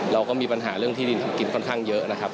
เราก็มีปัญหาเรื่องที่ดินทำกินค่อนข้างเยอะนะครับ